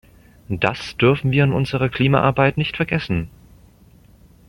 Das dürfen wir in unserer Klimaarbeit nicht vergessen.